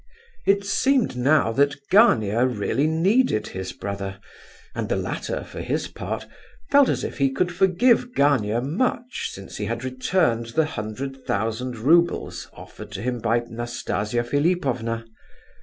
It seemed now that Gania really needed his brother, and the latter, for his part, felt as if he could forgive Gania much since he had returned the hundred thousand roubles offered to him by Nastasia Philipovna.